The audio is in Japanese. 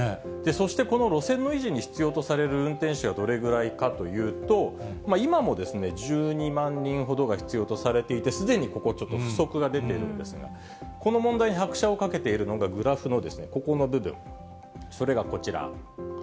そしてこの路線の維持に必要とされる運転手はどれぐらいかというと、今も１２万人ほどが必要とされていて、すでにここ、ちょっと不足が出ているんですが、この問題に拍車をかけているのがグラフのここの部分、それがこちら。